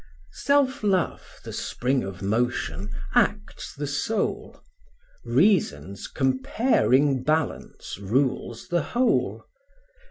Self love, the spring of motion, acts the soul; Reason's comparing balance rules the whole.